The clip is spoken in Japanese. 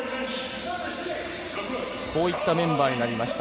こういったメンバーになりました。